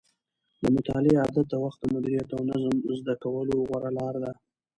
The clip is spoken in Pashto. د مطالعې عادت د وخت د مدیریت او نظم زده کولو غوره لاره ده.